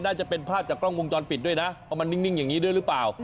น่าจะเป็นภาพจากกล้องวงจรปิดด้วยนะว่ามันนิ่งอย่างนี้ด้วยหรือเปล่า